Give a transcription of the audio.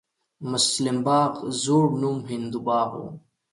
مسلم باغ زوړ نوم هندو باغ و